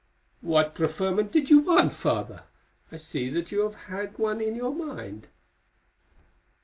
"What preferment did you want, Father? I see that you have one in your mind."